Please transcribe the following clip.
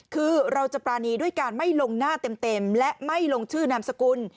คือเราจะปรานีด้วยการไม่ลงหน้าเต็มและไม่ลงชื่อนามสกุล